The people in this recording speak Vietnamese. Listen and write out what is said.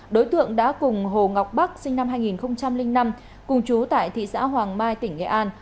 đối tượng đã cùng hồ ngọc bắc sinh năm hai nghìn năm cùng chú tại thị xã hoàng mai tỉnh nghệ an